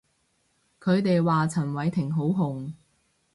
佢哋話陳偉霆好紅